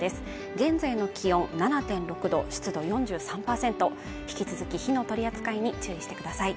現在の気温７．６度湿度４３％引き続き火の取り扱いに注意してください